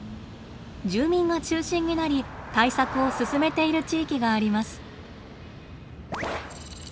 住民が中心になり対策を進めている地域があります。